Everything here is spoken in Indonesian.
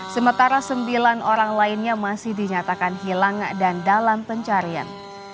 sementara sembilan orang lainnya masih dinyatakan hilang dan dalam pencarian